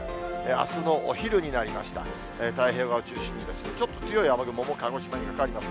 あすのお昼になりました、太平洋側を中心にちょっと強い雨雲も鹿児島にかかります。